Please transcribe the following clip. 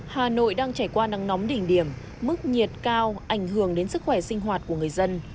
hà nội đang trải qua nắng nóng đỉnh điểm mức nhiệt cao ảnh hưởng đến sức khỏe sinh hoạt của người dân